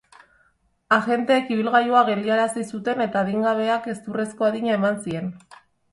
Agenteek ibilgailua geldiarazi zuten eta adingabeak gezurrezko adina eman zien.